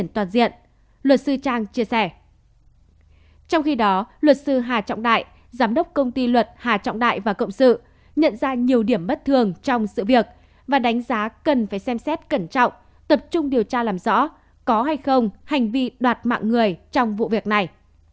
trong khi đó luật sư hà trọng đại giám đốc công ty luật hà trọng đại và cộng sự nhận ra nhiều điểm bất thường trong sự việc và đánh giá cần phải xem xét cẩn trọng tập trung điều tra làm rõ có hay không hành vi đoạt mạng người trong vụ việc này